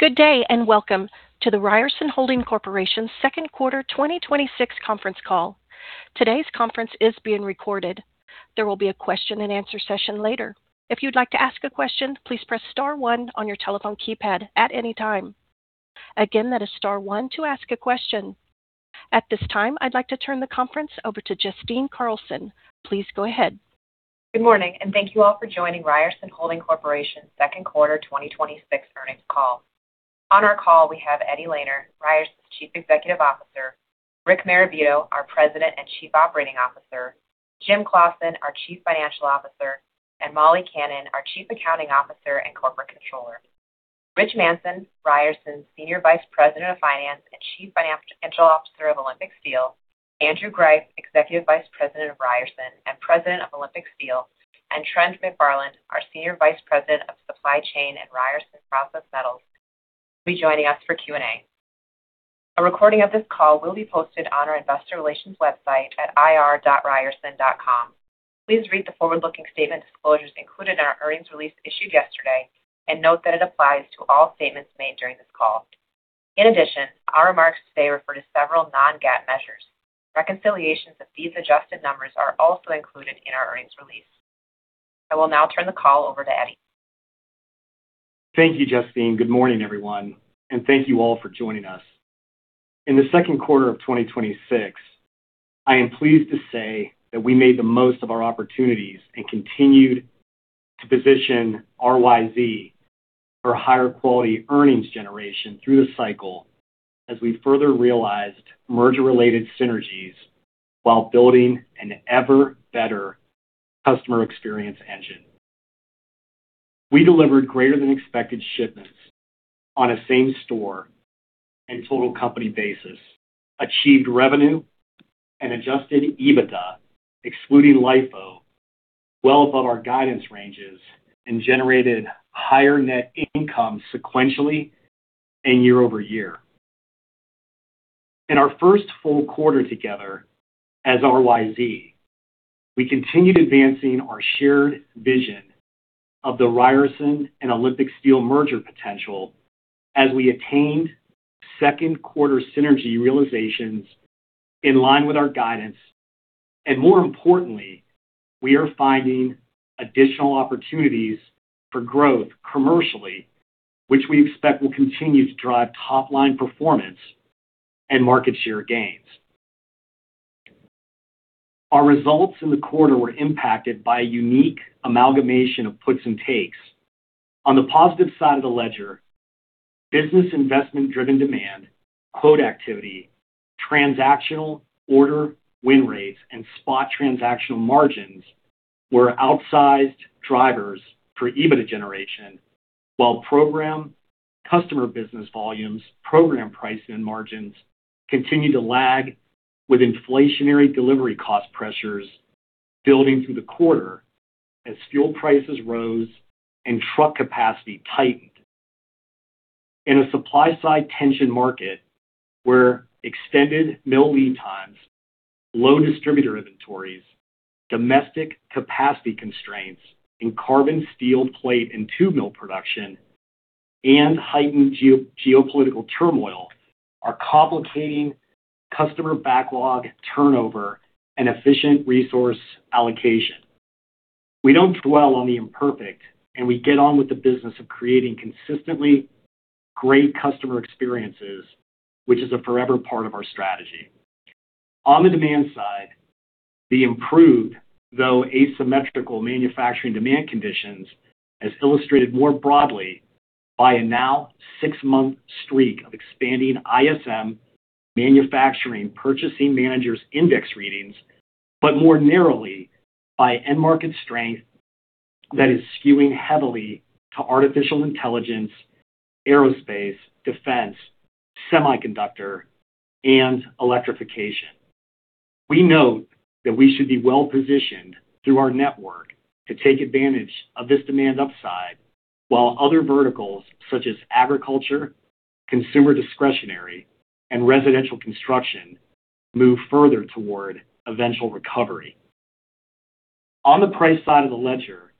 Good day. Welcome to the Ryerson Holding Corporation Second Quarter 2026 conference call. Today's conference is being recorded. There will be a question and answer session later. If you'd like to ask a question, please press star one on your telephone keypad at any time. Again, that is star one to ask a question. At this time, I'd like to turn the conference over to Justine Carlson. Please go ahead. Good morning. Thank you all for joining Ryerson Holding Corporation Second Quarter 2026 earnings call. On our call, we have Eddie Lehner, Ryerson's Chief Executive Officer, Rick Marabito, our President and Chief Operating Officer, Jim Claussen, our Chief Financial Officer, and Molly Kannan, our Chief Accounting Officer and Corporate Controller. Rich Manson, Ryerson's Senior Vice President of Finance and Chief Financial Officer of Olympic Steel, Andrew Greiff, Executive Vice President of Ryerson and President of Olympic Steel, and Trent McFarland, our Senior Vice President of Supply Chain at Ryerson Process Metals, will be joining us for Q&A. A recording of this call will be posted on our investor relations website at ir.ryerson.com. Please read the forward-looking statement disclosures included in our earnings release issued yesterday, and note that it applies to all statements made during this call. In addition, our remarks today refer to several non-GAAP measures. Reconciliations of these adjusted numbers are also included in our earnings release. I will now turn the call over to Eddie. Thank you, Justine. Good morning, everyone, and thank you all for joining us. In the second quarter of 2026, I am pleased to say that we made the most of our opportunities and continued to position RYZ for higher quality earnings generation through the cycle as we further realized merger-related synergies while building an ever-better customer experience engine. We delivered greater than expected shipments on a same store and total company basis, achieved revenue and adjusted EBITDA, excluding LIFO, well above our guidance ranges, and generated higher net income sequentially and year-over-year. In our first full quarter together as RYZ, we continued advancing our shared vision of the Ryerson and Olympic Steel merger potential as we attained second quarter synergy realizations in line with our guidance. More importantly, we are finding additional opportunities for growth commercially, which we expect will continue to drive top-line performance and market share gains. Our results in the quarter were impacted by a unique amalgamation of puts and takes. On the positive side of the ledger, business investment-driven demand, quote activity, transactional order win rates, and spot transactional margins were outsized drivers for EBITDA generation while program customer business volumes, program pricing, and margins continued to lag with inflationary delivery cost pressures building through the quarter as fuel prices rose and truck capacity tightened. In a supply-side tension market, where extended mill lead times, low distributor inventories, domestic capacity constraints in carbon steel plate and tube mill production, and heightened geopolitical turmoil are complicating customer backlog turnover and efficient resource allocation. We don't dwell on the imperfect, and we get on with the business of creating consistently great customer experiences, which is a forever part of our strategy. On the demand side, the improved, though asymmetrical manufacturing demand conditions as illustrated more broadly by a now six-month streak of expanding ISM Manufacturing Purchasing Managers' Index readings, but more narrowly by end market strength that is skewing heavily to artificial intelligence, aerospace, defense, semiconductor, and electrification. We note that we should be well-positioned through our network to take advantage of this demand upside, while other verticals such as agriculture, consumer discretionary, and residential construction move further toward eventual recovery. On the price side of the ledger,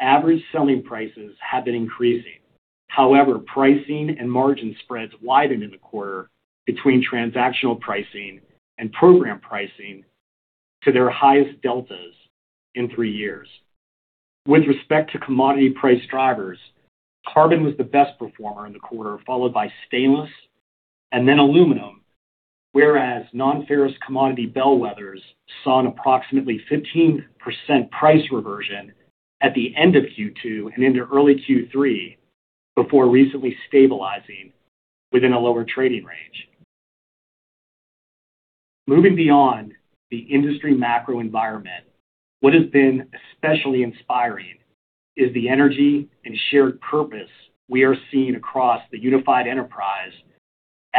average selling prices have been increasing. However, pricing and margin spreads widened in the quarter between transactional pricing and program pricing to their highest deltas in three years. With respect to commodity price drivers, carbon was the best performer in the quarter, followed by stainless and then aluminum, whereas non-ferrous commodity bellwethers saw an approximately 15% price reversion at the end of Q2 and into early Q3, before recently stabilizing within a lower trading range. Moving beyond the industry macro environment, what has been especially inspiring is the energy and shared purpose we are seeing across the unified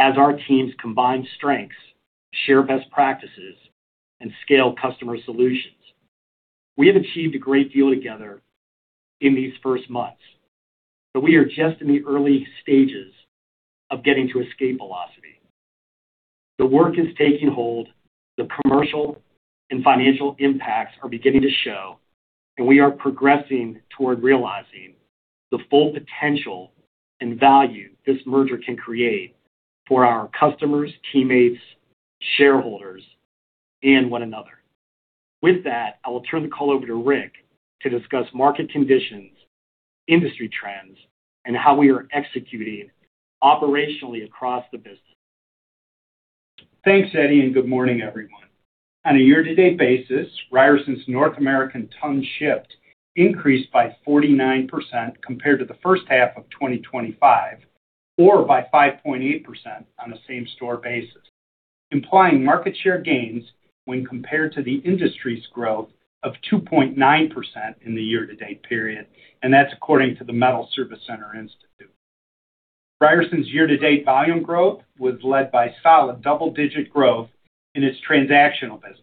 enterprise as our teams combine strengths, share best practices, and scale customer solutions. We have achieved a great deal together in these first months, but we are just in the early stages of getting to escape velocity. The work is taking hold, the commercial and financial impacts are beginning to show, and we are progressing toward realizing the full potential and value this merger can create for our customers, teammates, shareholders, and one another. With that, I will turn the call over to Rick to discuss market conditions, industry trends, and how we are executing operationally across the business. Thanks, Eddie, and good morning everyone. On a year-to-date basis, Ryerson's North American ton shipped increased by 49% compared to the first half of 2025 or by 5.8% on a same-store basis, implying market share gains when compared to the industry's growth of 2.9% in the year-to-date period, and that's according to the Metals Service Center Institute. Ryerson's year-to-date volume growth was led by solid double-digit growth in its transactional business,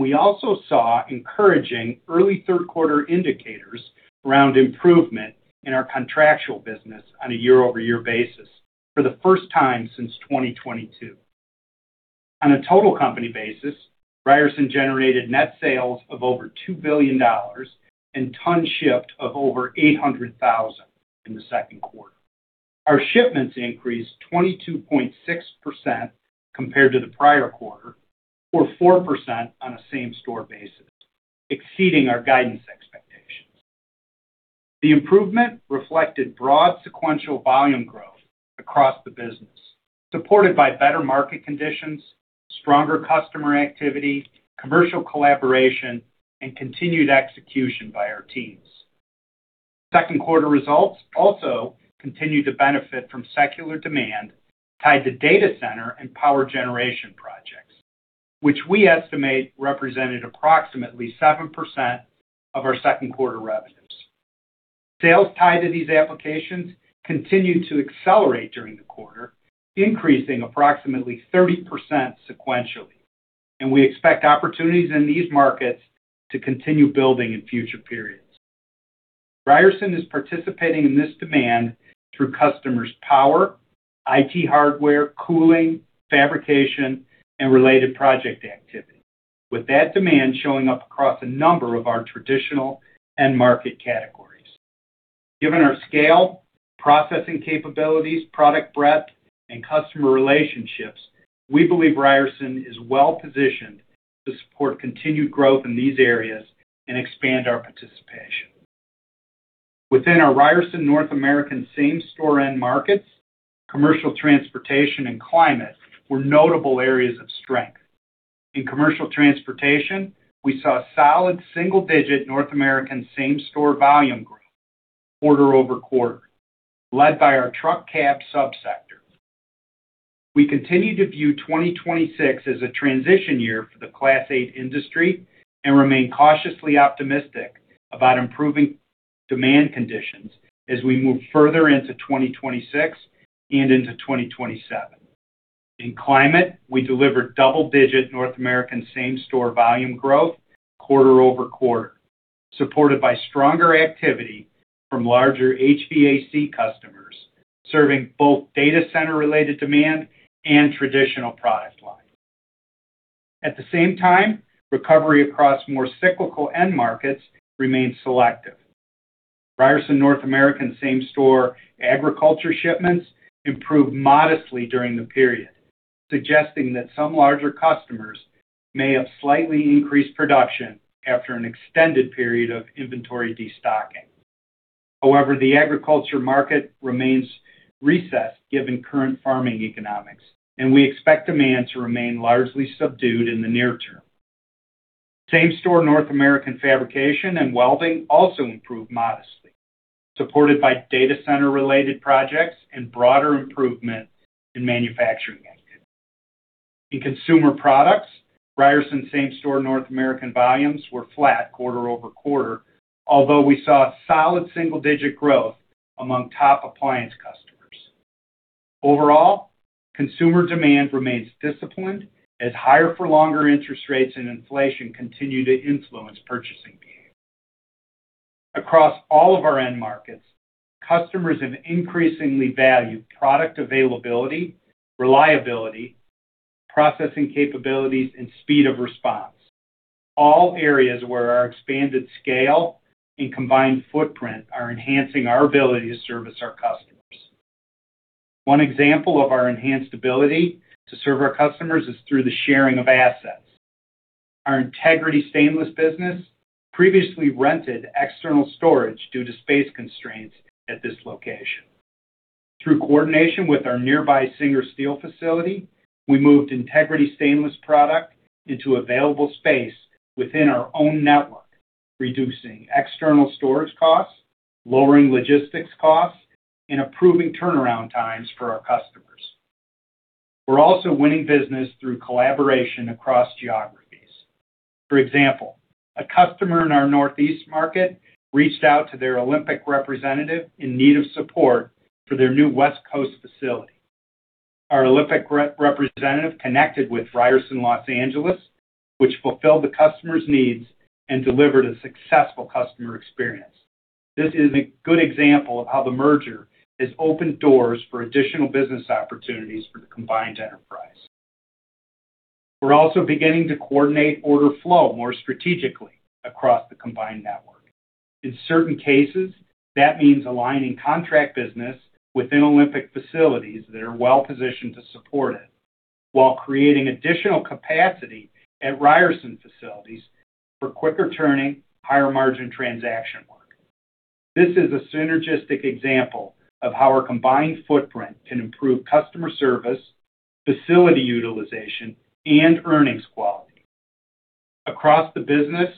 we also saw encouraging early third quarter indicators around improvement in our contractual business on a year-over-year basis for the first time since 2022. On a total company basis, Ryerson generated net sales of over $2 billion and ton shipped of over 800,000 in the second quarter. Our shipments increased 22.6% compared to the prior quarter or 4% on a same-store basis, exceeding our guidance expectations. The improvement reflected broad sequential volume growth across the business, supported by better market conditions, stronger customer activity, commercial collaboration, and continued execution by our teams. Second quarter results also continued to benefit from secular demand tied to data center and power generation projects, which we estimate represented approximately 7% of our second quarter revenues. Sales tied to these applications continued to accelerate during the quarter, increasing approximately 30% sequentially, and we expect opportunities in these markets to continue building in future periods. Ryerson is participating in this demand through customers' power, IT hardware, cooling, fabrication, and related project activity. With that demand showing up across a number of our traditional end market categories. Given our scale, processing capabilities, product breadth, and customer relationships, we believe Ryerson is well-positioned to support continued growth in these areas and expand our participation. Within our Ryerson North American same-store end markets, commercial transportation and climate were notable areas of strength. In commercial transportation, we saw solid single-digit North American same-store volume growth quarter-over-quarter, led by our truck cab sub-sector. We continue to view 2026 as a transition year for the Class 8 industry and remain cautiously optimistic about improving demand conditions as we move further into 2026 and into 2027. In climate, we delivered double-digit North American same-store volume growth quarter-over-quarter, supported by stronger activity from larger HVAC customers serving both data center-related demand and traditional product lines. At the same time, recovery across more cyclical end markets remains selective. Ryerson North American same-store agriculture shipments improved modestly during the period, suggesting that some larger customers may have slightly increased production after an extended period of inventory destocking. However, the agriculture market remains recessed given current farming economics, and we expect demand to remain largely subdued in the near term. Same-store North American fabrication and welding also improved modestly, supported by data center-related projects and broader improvement in manufacturing activity. In consumer products, Ryerson same-store North American volumes were flat quarter-over-quarter, although we saw solid single-digit growth among top appliance customers. Overall, consumer demand remains disciplined as higher-for-longer interest rates and inflation continue to influence purchasing behavior. Across all of our end markets, customers have increasingly valued product availability, reliability, processing capabilities, and speed of response. All areas where our expanded scale and combined footprint are enhancing our ability to service our customers. One example of our enhanced ability to serve our customers is through the sharing of assets. Our Integrity Stainless business previously rented external storage due to space constraints at this location. Through coordination with our nearby Singer Steel facility, we moved Integrity Stainless product into available space within our own network, reducing external storage costs, lowering logistics costs, and improving turnaround times for our customers. We're also winning business through collaboration across geographies. For example, a customer in our Northeast market reached out to their Olympic representative in need of support for their new West Coast facility. Our Olympic representative connected with Ryerson L.A., which fulfilled the customer's needs and delivered a successful customer experience. This is a good example of how the merger has opened doors for additional business opportunities for the combined enterprise. We're also beginning to coordinate order flow more strategically across the combined network. In certain cases, that means aligning contract business within Olympic facilities that are well-positioned to support it while creating additional capacity at Ryerson facilities for quicker turning, higher margin transaction work. This is a synergistic example of how our combined footprint can improve customer service, facility utilization, and earnings quality. Across the business,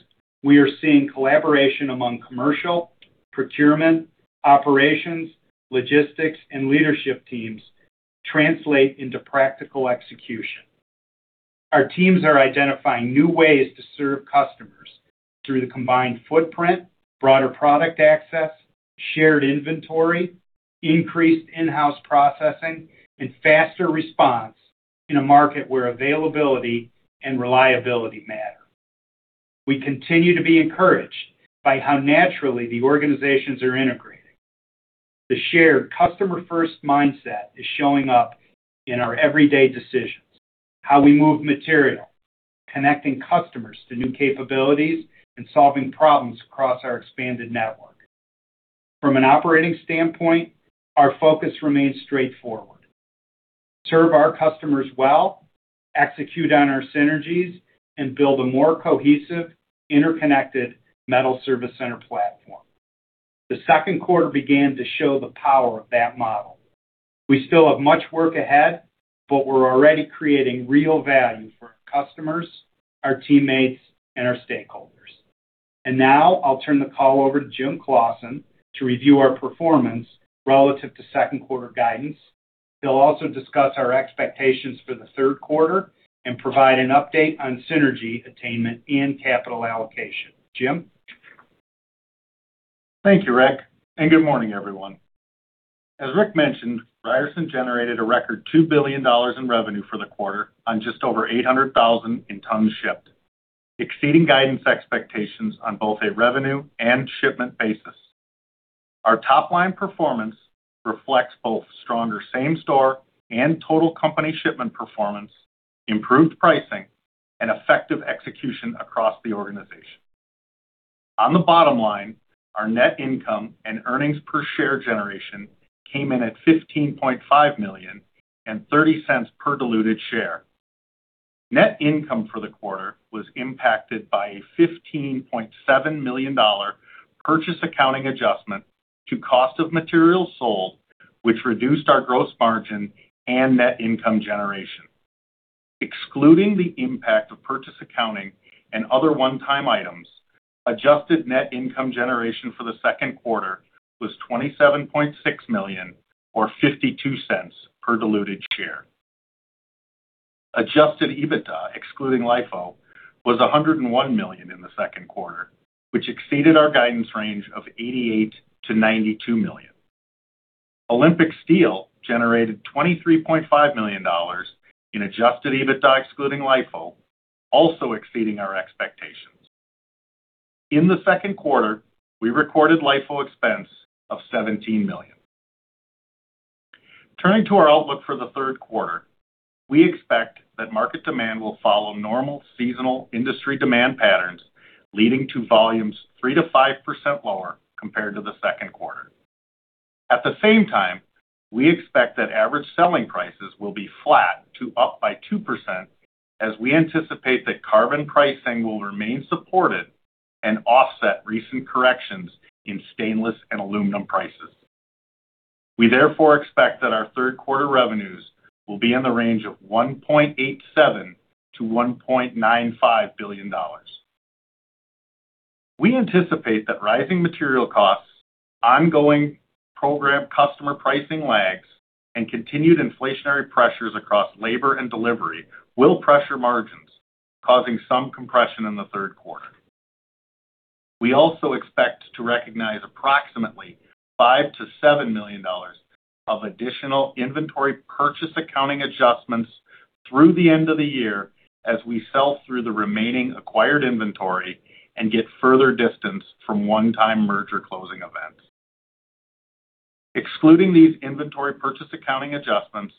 we are seeing collaboration among commercial, procurement, operations, logistics, and leadership teams translate into practical execution. Our teams are identifying new ways to serve customers through the combined footprint, broader product access, shared inventory, increased in-house processing, and faster response in a market where availability and reliability matter. We continue to be encouraged by how naturally the organizations are integrating. The shared customer-first mindset is showing up in our everyday decisions, how we move material, connecting customers to new capabilities, and solving problems across our expanded network. From an operating standpoint, our focus remains straightforward: serve our customers well, execute on our synergies, and build a more cohesive, interconnected metal service center platform. The second quarter began to show the power of that model. We still have much work ahead, but we're already creating real value for our customers, our teammates, and our stakeholders. Now I'll turn the call over to Jim Claussen to review our performance relative to second quarter guidance. He'll also discuss our expectations for the third quarter and provide an update on synergy attainment and capital allocation. Jim? Thank you, Rick, and good morning, everyone. As Rick mentioned, Ryerson generated a record $2 billion in revenue for the quarter on just over 800,000 tons shipped, exceeding guidance expectations on both a revenue and shipment basis. Our top-line performance reflects both stronger same-store and total company shipment performance, improved pricing, and effective execution across the organization. On the bottom line, our net income and earnings per share generation came in at $15.5 million and $0.30 per diluted share. Net income for the quarter was impacted by a $15.7 million purchase accounting adjustment to cost of material sold, which reduced our gross margin and net income generation. Excluding the impact of purchase accounting and other one-time items, adjusted net income generation for the second quarter was $27.6 million or $0.52 per diluted share. Adjusted EBITDA excluding LIFO was $101 million in the second quarter, which exceeded our guidance range of $88 million-$92 million. Olympic Steel generated $23.5 million in adjusted EBITDA excluding LIFO, also exceeding our expectations. In the second quarter, we recorded LIFO expense of $17 million. Turning to our outlook for the third quarter. We expect that market demand will follow normal seasonal industry demand patterns, leading to volumes 3%-5% lower compared to the second quarter. At the same time, we expect that average selling prices will be flat to up by 2% as we anticipate that carbon pricing will remain supported and offset recent corrections in stainless and aluminum prices. We therefore expect that our third quarter revenues will be in the range of $1.87 billion-$1.95 billion. We anticipate that rising material costs, ongoing program customer pricing lags, and continued inflationary pressures across labor and delivery will pressure margins, causing some compression in the third quarter. We also expect to recognize approximately $5 million-$7 million of additional inventory purchase accounting adjustments through the end of the year as we sell through the remaining acquired inventory and get further distance from one-time merger closing events. Excluding these inventory purchase accounting adjustments,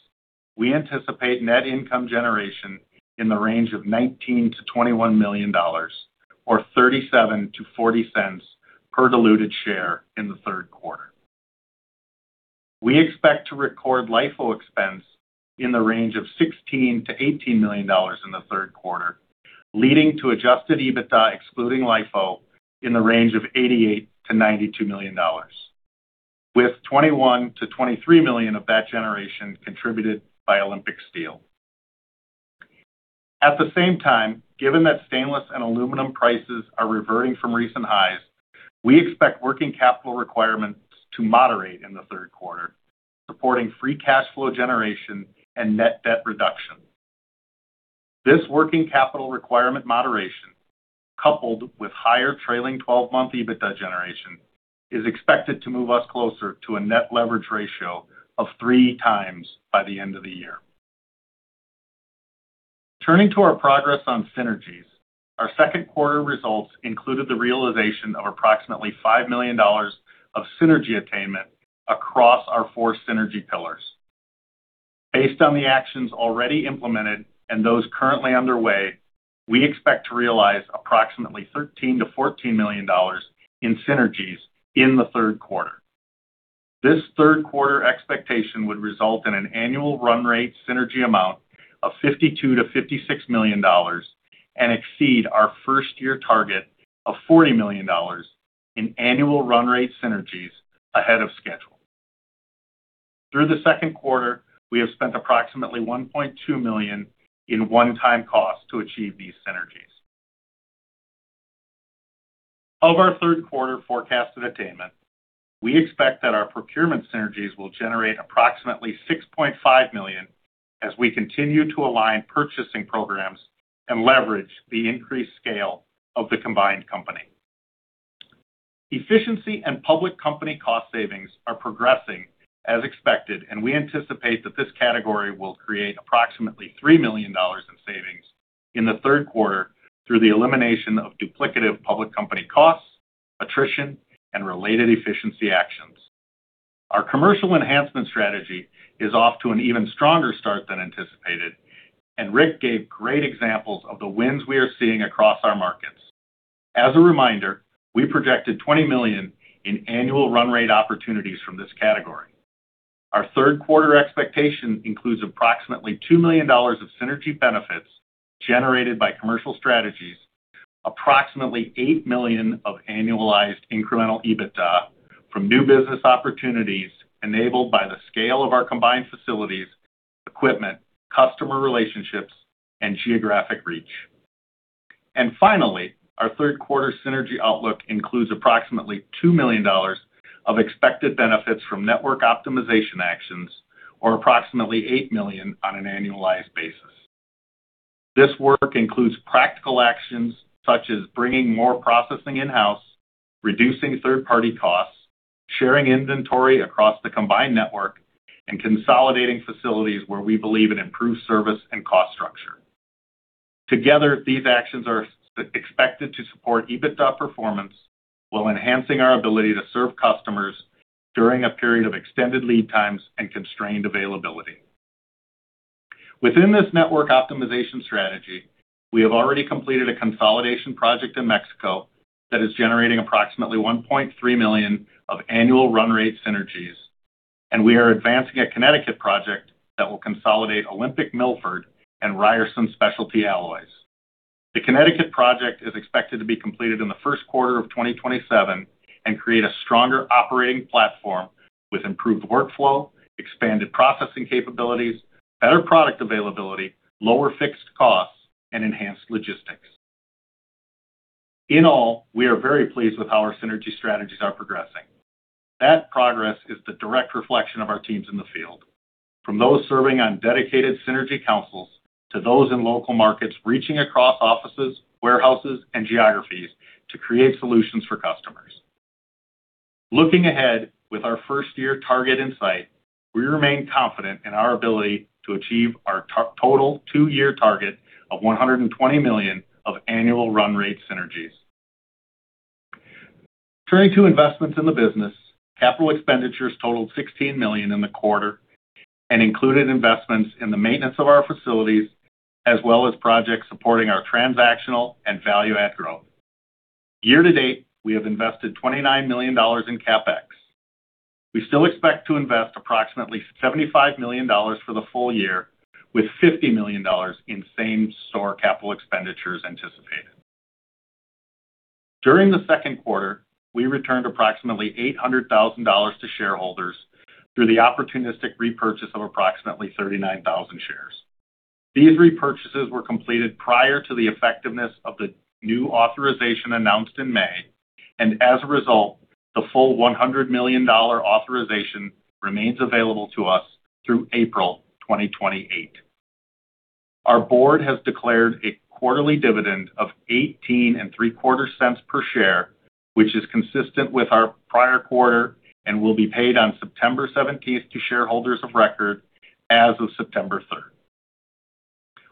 we anticipate net income generation in the range of $19 million-$21 million or $0.37-$0.40 per diluted share in the third quarter. We expect to record LIFO expense in the range of $16 million-$18 million in the third quarter, leading to adjusted EBITDA excluding LIFO in the range of $88 million-$92 million, with $21 million-$23 million of that generation contributed by Olympic Steel. At the same time, given that stainless and aluminum prices are reverting from recent highs, we expect working capital requirements to moderate in the third quarter, reporting free cash flow generation and net debt reduction. This working capital requirement moderation, coupled with higher trailing 12-month EBITDA generation, is expected to move us closer to a net leverage ratio of three times by the end of the year. Turning to our progress on synergies, our second quarter results included the realization of approximately $5 million of synergy attainment across our four synergy pillars. Based on the actions already implemented and those currently underway, we expect to realize approximately $13 million-$14 million in synergies in the third quarter. This third-quarter expectation would result in an annual run rate synergy amount of $52 million-$56 million and exceed our first-year target of $40 million in annual run rate synergies ahead of schedule. Through the second quarter, we have spent approximately $1.2 million in one-time costs to achieve these synergies. Of our third-quarter forecasted attainment, we expect that our procurement synergies will generate approximately $6.5 million as we continue to align purchasing programs and leverage the increased scale of the combined company. Efficiency and public company cost savings are progressing as expected, and we anticipate that this category will create approximately $3 million in savings in the third quarter through the elimination of duplicative public company costs, attrition, and related efficiency actions. Our commercial enhancement strategy is off to an even stronger start than anticipated, and Rick gave great examples of the wins we are seeing across our markets. As a reminder, we projected $20 million in annual run rate opportunities from this category. Our third-quarter expectation includes approximately $2 million of synergy benefits generated by commercial strategies, approximately $8 million of annualized incremental EBITDA from new business opportunities enabled by the scale of our combined facilities, equipment, customer relationships, and geographic reach. Finally, our third-quarter synergy outlook includes approximately $2 million of expected benefits from network optimization actions, or approximately $8 million on an annualized basis. This work includes practical actions such as bringing more processing in-house, reducing third-party costs, sharing inventory across the combined network, and consolidating facilities where we believe in improved service and cost structure. Together, these actions are expected to support EBITDA performance while enhancing our ability to serve customers during a period of extended lead times and constrained availability. Within this network optimization strategy, we have already completed a consolidation project in Mexico that is generating approximately $1.3 million of annual run rate synergies, and we are advancing a Connecticut project that will consolidate Olympic Steel and Ryerson Specialty Alloys. The Connecticut project is expected to be completed in the first quarter of 2027 and create a stronger operating platform with improved workflow, expanded processing capabilities, better product availability, lower fixed costs, and enhanced logistics. In all, we are very pleased with how our synergy strategies are progressing. That progress is the direct reflection of our teams in the field, from those serving on dedicated synergy councils to those in local markets reaching across offices, warehouses, and geographies to create solutions for customers. Looking ahead with our first-year target in sight, we remain confident in our ability to achieve our total two-year target of $120 million of annual run rate synergies. Turning to investments in the business, capital expenditures totaled $16 million in the quarter and included investments in the maintenance of our facilities, as well as projects supporting our transactional and value-add growth. Year-to-date, we have invested $29 million in CapEx. We still expect to invest approximately $75 million for the full year with $50 million in same-store capital expenditures anticipated. During the second quarter, we returned approximately $800,000 to shareholders through the opportunistic repurchase of approximately 39,000 shares. These repurchases were completed prior to the effectiveness of the new authorization announced in May. As a result, the full $100 million authorization remains available to us through April 2028. Our board has declared a quarterly dividend of 18 and three quarter cents per share, which is consistent with our prior quarter and will be paid on September 17th to shareholders of record as of September 3rd.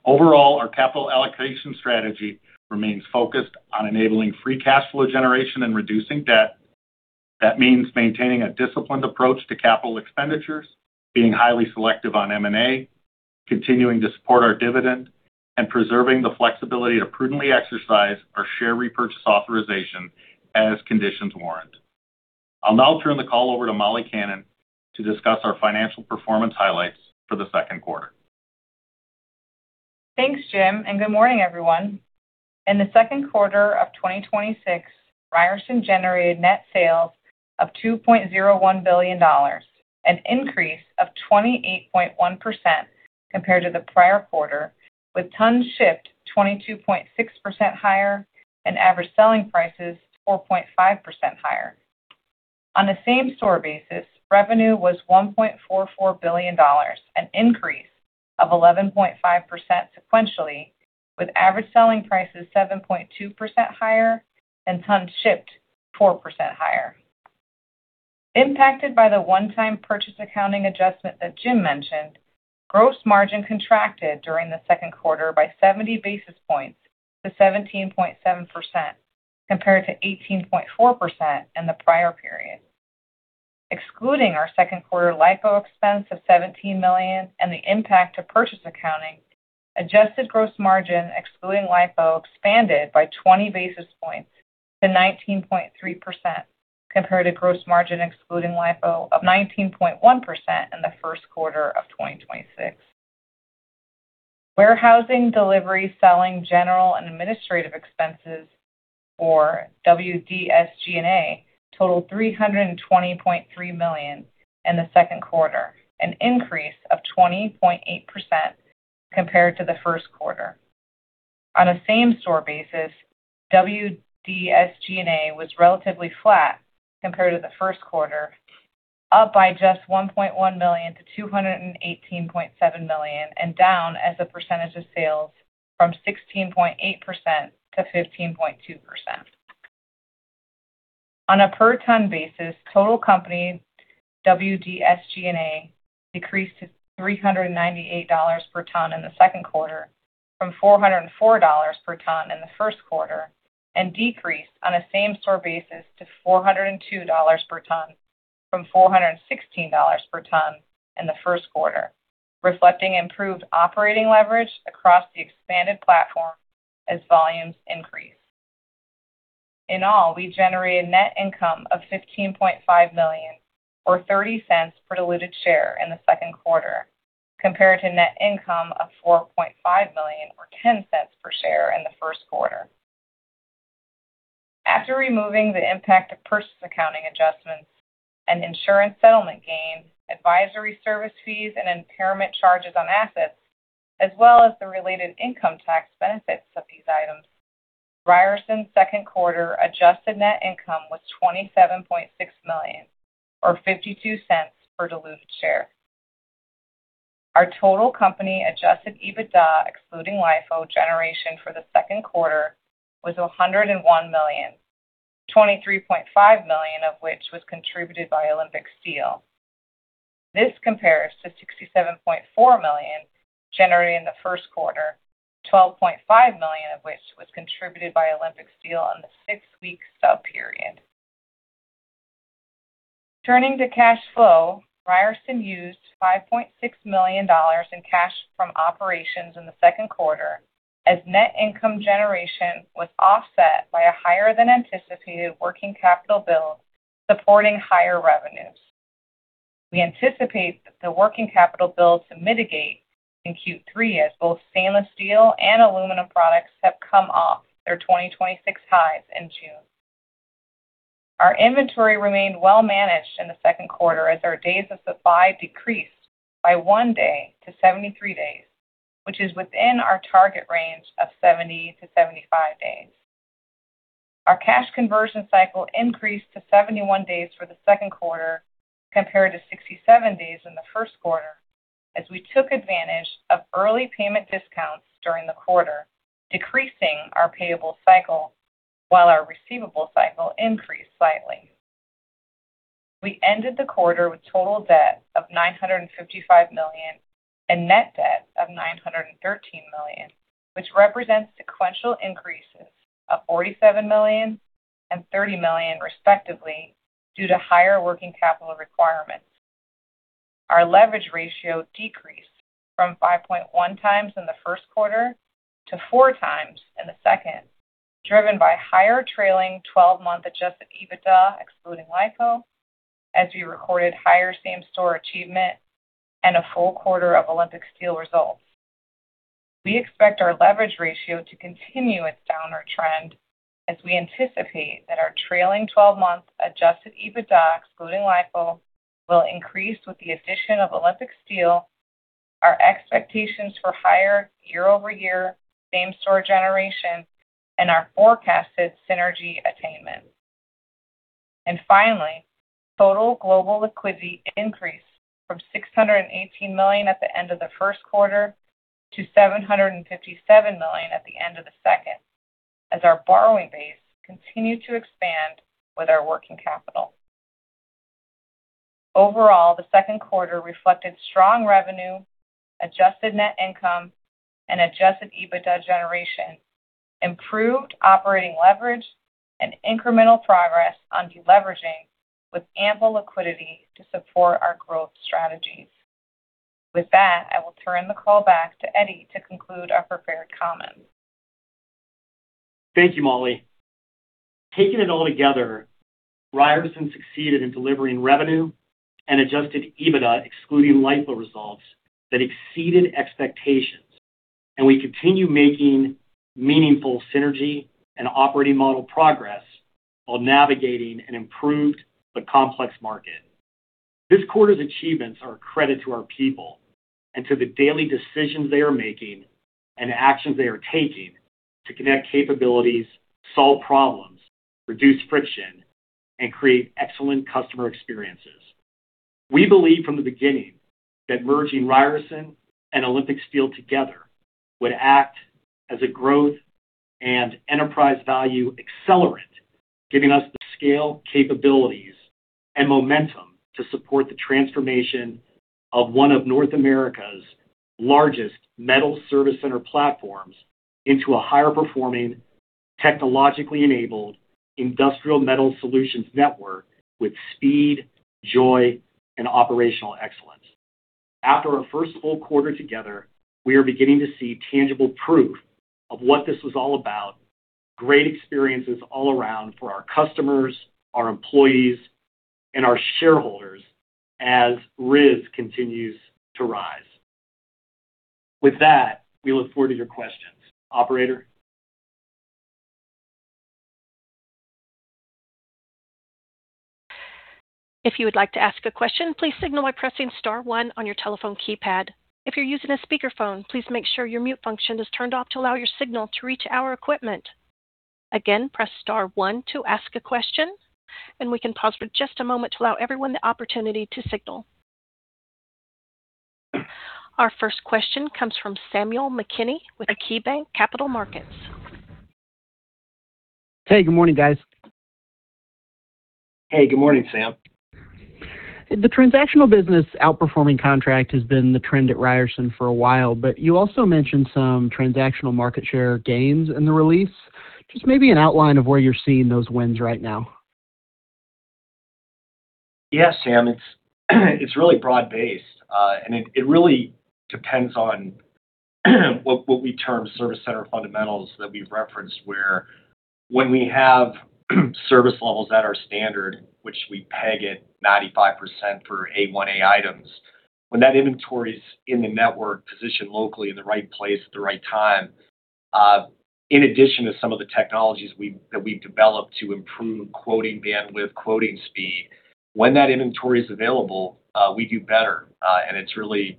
Overall, our capital allocation strategy remains focused on enabling free cash flow generation and reducing debt. That means maintaining a disciplined approach to capital expenditures, being highly selective on M&A, continuing to support our dividend, and preserving the flexibility to prudently exercise our share repurchase authorization as conditions warrant. I'll now turn the call over to Molly Kannan to discuss our financial performance highlights for the second quarter. Thanks, Jim. Good morning, everyone. In the second quarter of 2026, Ryerson generated net sales of $2.01 billion, an increase of 28.1% compared to the prior quarter, with tons shipped 22.6% higher and average selling prices 4.5% higher. On a same-store basis, revenue was $1.44 billion, an increase of 11.5% sequentially, with average selling prices 7.2% higher and tons shipped 4% higher. Impacted by the one-time purchase accounting adjustment that Jim mentioned, gross margin contracted during the second quarter by 70 basis points to 17.7%, compared to 18.4% in the prior period. Excluding our second quarter LIFO expense of $17 million and the impact to purchase accounting, adjusted gross margin excluding LIFO expanded by 20 basis points to 19.3%, compared to gross margin excluding LIFO of 19.1% in the first quarter of 2026. Warehousing, delivery, selling, general and administrative expenses for WDSG&A totaled $320.3 million in the second quarter, an increase of 20.8% compared to the first quarter. On a same-store basis, WDSG&A was relatively flat compared to the first quarter, up by just $1.1 million-$218.7 million and down as a percentage of sales from 16.8%-15.2%. On a per ton basis, total company WDSG&A decreased to $398 per ton in the second quarter from $404 per ton in the first quarter, and decreased on a same-store basis to $402 per ton from $416 per ton in the first quarter, reflecting improved operating leverage across the expanded platform as volumes increase. In all, we generated net income of $15.5 million, or $0.30 per diluted share in the second quarter, compared to net income of $4.5 million or $0.10 per share in the first quarter. After removing the impact of purchase accounting adjustments and insurance settlement gains, advisory service fees, and impairment charges on assets, as well as the related income tax benefits of these items, Ryerson's second quarter adjusted net income was $27.6 million, or $0.52 per diluted share. Our total company adjusted EBITDA excluding LIFO generation for the second quarter was $101 million, $23.5 million of which was contributed by Olympic Steel. This compares to $67.4 million generated in the first quarter, $12.5 million of which was contributed by Olympic Steel on the six-week sub-period. Turning to cash flow, Ryerson used $5.6 million in cash from operations in the second quarter as net income generation was offset by a higher than anticipated working capital build supporting higher revenues. We anticipate the working capital build to mitigate in Q3 as both stainless steel and aluminum products have come off their 2026 highs in June. Our inventory remained well managed in the second quarter as our days of supply decreased by one day to 73 days, which is within our target range of 70 to 75 days. Our cash conversion cycle increased to 71 days for the second quarter compared to 67 days in the first quarter as we took advantage of early payment discounts during the quarter, decreasing our payable cycle while our receivable cycle increased slightly. We ended the quarter with total debt of $955 million and net debt of $913 million, which represents sequential increases of $47 million and $30 million, respectively, due to higher working capital requirements. Our leverage ratio decreased from 5.1 times in the first quarter to four times in the second, driven by higher trailing 12-month adjusted EBITDA excluding LIFO as we recorded higher same-store achievement and a full quarter of Olympic Steel results. We expect our leverage ratio to continue its downward trend as we anticipate that our trailing 12-month adjusted EBITDA excluding LIFO will increase with the addition of Olympic Steel, our expectations for higher year-over-year same-store generation, and our forecasted synergy attainment. Finally, total global liquidity increased from $618 million at the end of the first quarter to $757 million at the end of the second, as our borrowing base continued to expand with our working capital. Overall, the second quarter reflected strong revenue, adjusted net income, and adjusted EBITDA generation, improved operating leverage, and incremental progress on deleveraging with ample liquidity to support our growth strategies. With that, I will turn the call back to Eddie to conclude our prepared comments. Thank you, Molly. Taking it all together, Ryerson succeeded in delivering revenue and adjusted EBITDA excluding LIFO results that exceeded expectations. We continue making meaningful synergy and operating model progress while navigating an improved but complex market. This quarter's achievements are a credit to our people and to the daily decisions they are making and actions they are taking to connect capabilities, solve problems, reduce friction, and create excellent customer experiences. We believed from the beginning that merging Ryerson and Olympic Steel together would act as a growth and enterprise value accelerant, giving us the scale, capabilities, and momentum to support the transformation of one of North America's largest metal service center platforms into a higher-performing, technologically enabled industrial metal solutions network with speed, joy, and operational excellence. After our first full quarter together, we are beginning to see tangible proof of what this was all about. Great experiences all around for our customers, our employees, and our shareholders as RYZ continues to rise. With that, we look forward to your questions. Operator? If you would like to ask a question, please signal by pressing star one on your telephone keypad. If you're using a speakerphone, please make sure your mute function is turned off to allow your signal to reach our equipment. Again, press star one to ask a question. We can pause for just a moment to allow everyone the opportunity to signal. Our first question comes from Samuel McKinney with KeyBanc Capital Markets. Hey, good morning, guys. Hey, good morning, Sam. The transactional business outperforming contract has been the trend at Ryerson for a while. You also mentioned some transactional market share gains in the release. Just maybe an outline of where you're seeing those wins right now. Yeah, Sam, it's really broad-based, and it really depends on what we term service center fundamentals that we've referenced, where when we have service levels that are standard, which we peg at 95% for A1A items, when that inventory's in the network positioned locally in the right place at the right time, in addition to some of the technologies that we've developed to improve quoting bandwidth, quoting speed, when that inventory is available, we do better. It's really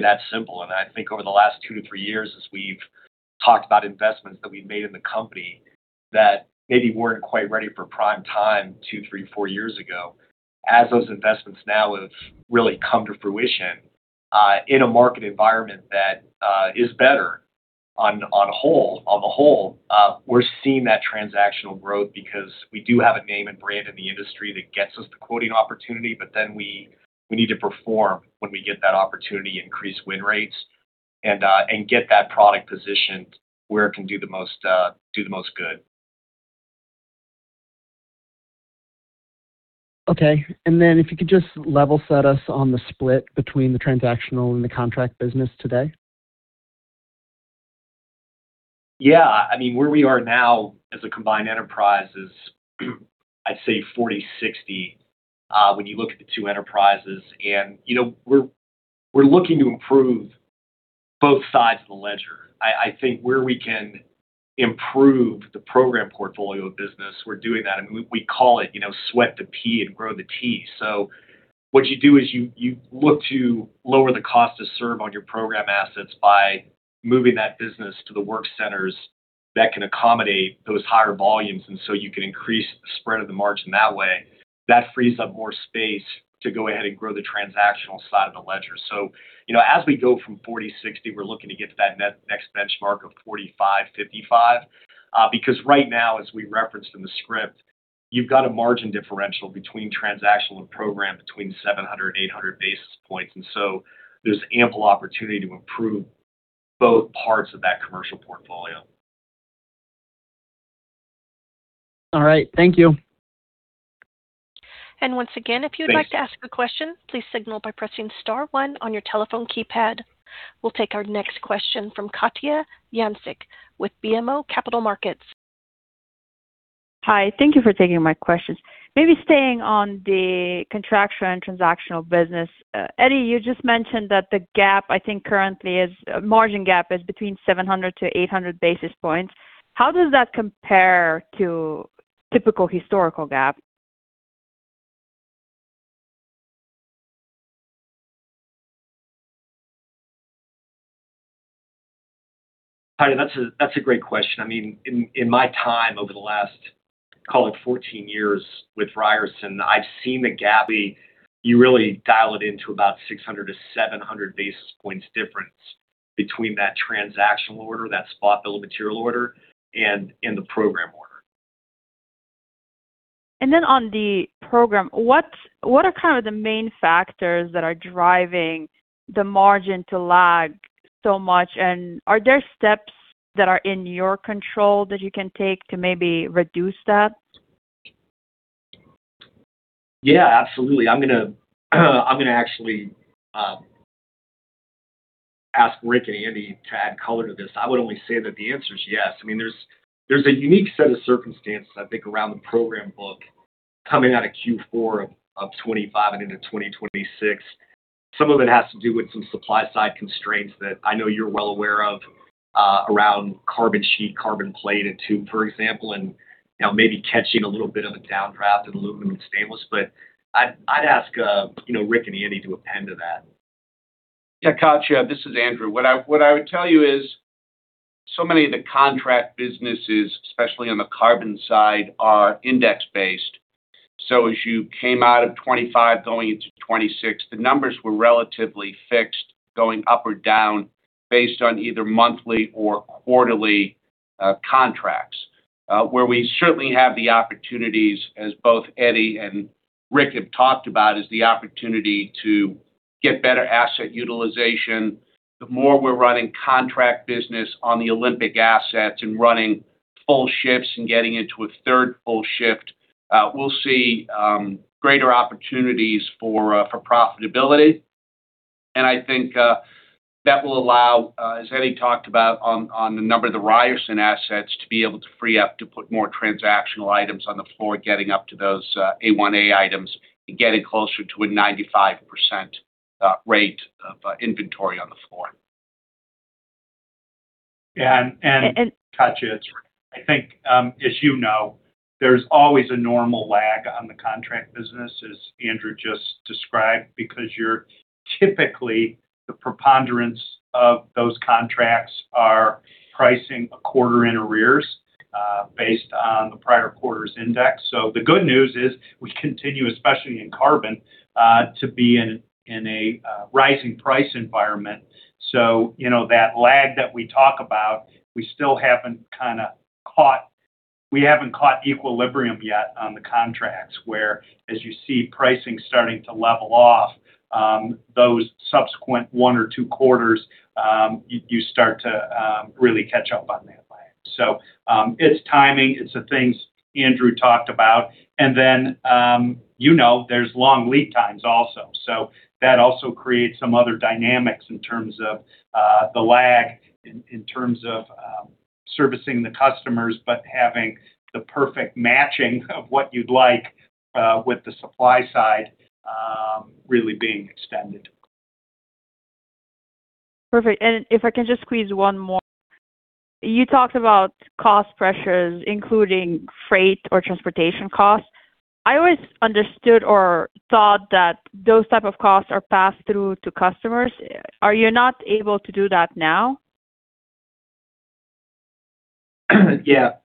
that simple. I think over the last two to three years, as we've talked about investments that we've made in the company that maybe weren't quite ready for prime time two, three, four years ago. As those investments now have really come to fruition, in a market environment that is better on the whole, we're seeing that transactional growth because we do have a name and brand in the industry that gets us the quoting opportunity, but then we need to perform when we get that opportunity, increase win rates, and get that product positioned where it can do the most good. Okay. If you could just level set us on the split between the transactional and the contract business today. Yeah. Where we are now as a combined enterprise is, I'd say 40/60, when you look at the two enterprises. We're looking to improve both sides of the ledger. I think where we can improve the program portfolio of business, we're doing that, and we call it sweat the P and grow the T. What you do is you look to lower the cost to serve on your program assets by moving that business to the work centers that can accommodate those higher volumes, and so you can increase the spread of the margin that way. That frees up more space to go ahead and grow the transactional side of the ledger. As we go from 40/60, we're looking to get to that next benchmark of 45/55. Because right now, as we referenced in the script, you've got a margin differential between transactional and program between 700 and 800 basis points, and so there's ample opportunity to improve both parts of that commercial portfolio. All right. Thank you. Once again, if you'd like to ask a question, please signal by pressing star one on your telephone keypad. We'll take our next question from Katja Jancic with BMO Capital Markets. Hi. Thank you for taking my questions. Maybe staying on the contractual and transactional business. Eddie, you just mentioned that the GAAP, I think currently is, margin GAAP is between 700-800 basis points. How does that compare to typical historical GAAP? Katja, that's a great question. In my time over the last, call it 14 years with Ryerson, I've seen the GAAP be. You really dial it in to about 600-700 basis points difference between that transactional order, that spot bill of material order, and the program order. On the program, what are the main factors that are driving the margin to lag so much? Are there steps that are in your control that you can take to maybe reduce that? Yeah, absolutely. I'm going to actually ask Rick and Andy to add color to this. I would only say that the answer is yes. There's a unique set of circumstances, I think, around the program book coming out of Q4 of 2025 and into 2026. Some of it has to do with some supply-side constraints that I know you're well aware of, around carbon sheet, carbon plate, and tube, for example, and maybe catching a little bit of a downdraft in aluminum and stainless. I'd ask Rick and Andrew to append to that. Yeah, Katja, this is Andrew. What I would tell you is so many of the contract businesses, especially on the carbon side, are index based. As you came out of 2025, going into 2026, the numbers were relatively fixed, going up or down based on either monthly or quarterly contracts. Where we certainly have the opportunities, as both Eddie and Rick have talked about, is the opportunity to get better asset utilization. The more we're running contract business on the Olympic assets and running full shifts and getting into a third full shift, we'll see greater opportunities for profitability. I think that will allow, as Eddie talked about on the number of the Ryerson assets, to be able to free up to put more transactional items on the floor, getting up to those A1A items and getting closer to a 95% rate of inventory on the floor. Katja, I think, as you know, there's always a normal lag on the contract business, as Andrew just described, because you're typically, the preponderance of those contracts are pricing a quarter in arrears based on the prior quarter's index. The good news is we continue, especially in carbon, to be in a rising price environment. That lag that we talk about, we still haven't caught equilibrium yet on the contracts, where as you see pricing starting to level off, those subsequent one or two quarters, you start to really catch up on that lag. It's timing. It's the things Andrew talked about. You know there's long lead times also. That also creates some other dynamics in terms of the lag in terms of servicing the customers, but having the perfect matching of what you'd like with the supply side really being extended. If I can just squeeze one more. You talked about cost pressures, including freight or transportation costs. I always understood or thought that those type of costs are passed through to customers. Are you not able to do that now?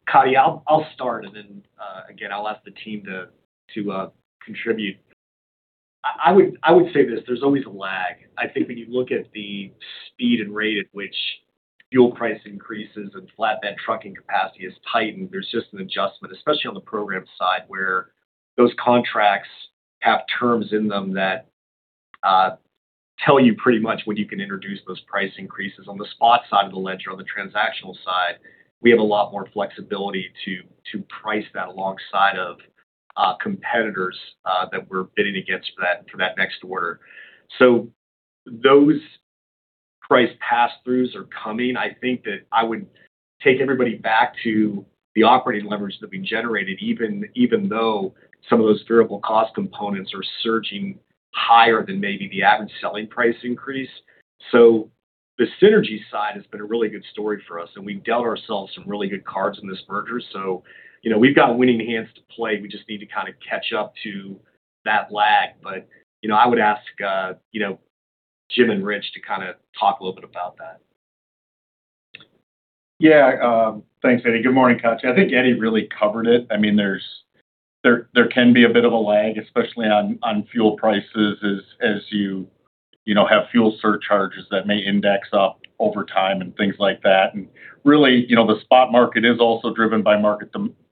Katja, I'll start, again, I'll ask the team to contribute. I would say this, there's always a lag. I think when you look at the speed and rate at which fuel price increases and flatbed trucking capacity is tightened, there's just an adjustment, especially on the program side, where those contracts have terms in them that tell you pretty much when you can introduce those price increases. On the spot side of the ledger, on the transactional side, we have a lot more flexibility to price that alongside of competitors that we're bidding against for that next order. Those price pass-throughs are coming. I think that I would take everybody back to the operating leverage that we generated, even though some of those variable cost components are surging higher than maybe the average selling price increase. The synergy side has been a really good story for us, we dealt ourselves some really good cards in this merger. We've got winning hands to play. We just need to catch up to that lag. I would ask Jim and Rich to talk a little bit about that. Thanks, Eddie. Good morning, Katja. I think Eddie really covered it. There can be a bit of a lag, especially on fuel prices as you have fuel surcharges that may index up over time and things like that. Really, the spot market is also driven by market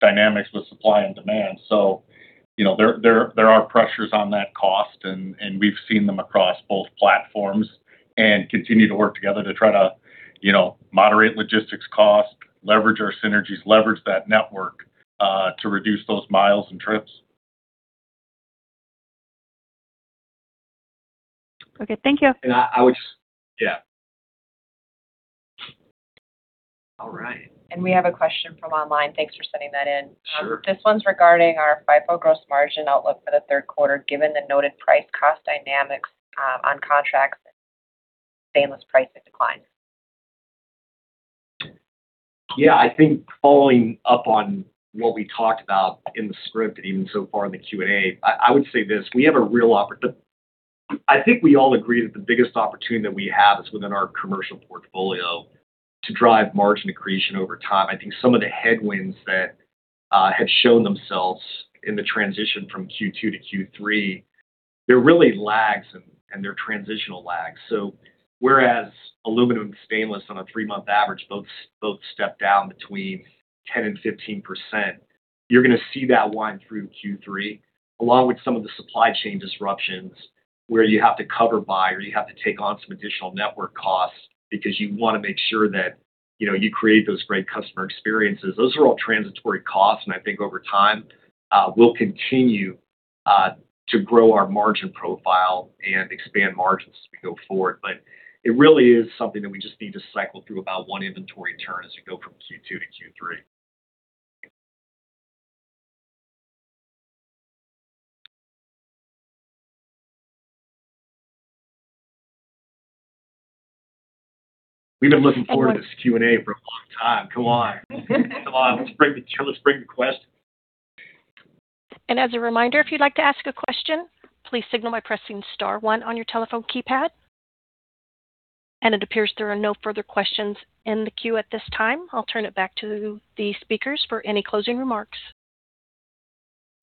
dynamics with supply and demand. There are pressures on that cost, we've seen them across both platforms and continue to work together to try to moderate logistics cost, leverage our synergies, leverage that network to reduce those miles and trips. Okay, thank you. I would just Yeah. All right. We have a question from online. Thanks for sending that in. Sure. This one's regarding our FIFO gross margin outlook for the third quarter, given the noted price cost dynamics on contracts, stainless pricing declines. Yeah, I think following up on what we talked about in the script, and even so far in the Q&A, I would say this, I think we all agree that the biggest opportunity that we have is within our commercial portfolio to drive margin accretion over time. I think some of the headwinds that have shown themselves in the transition from Q2 to Q3, they're really lags, and they're transitional lags. Whereas aluminum and stainless on a three-month average both step down between 10% and 15%, you're going to see that wind through Q3, along with some of the supply chain disruptions, where you have to cover buy, or you have to take on some additional network costs because you want to make sure that you create those great customer experiences. Those are all transitory costs, and I think over time, we'll continue to grow our margin profile and expand margins as we go forward. It really is something that we just need to cycle through about one inventory turn as we go from Q2 to Q3. We've been looking forward to this Q&A for a long time. Come on. Come on. Let's bring the questions. As a reminder, if you'd like to ask a question, please signal by pressing star one on your telephone keypad. It appears there are no further questions in the queue at this time. I'll turn it back to the speakers for any closing remarks.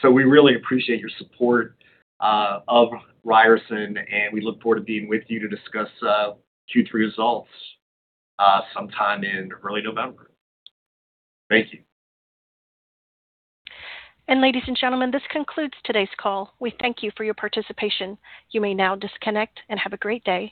We really appreciate your support of Ryerson, and we look forward to being with you to discuss Q3 results sometime in early November. Thank you. Ladies and gentlemen, this concludes today's call. We thank you for your participation. You may now disconnect and have a great day.